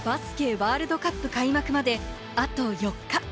ワールドカップ開幕まであと４日。